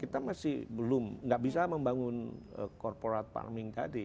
kita masih belum nggak bisa membangun corporate farming tadi